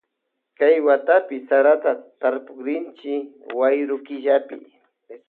Kay watapi sarata tarpukrinchi wayru killapi.